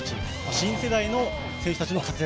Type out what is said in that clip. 新世代の選手たちの活躍。